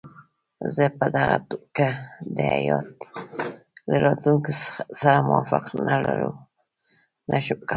زه په دغه توګه د هیات له راتلو سره موافقه نه شم کولای.